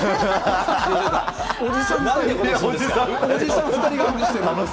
おじさん２人が。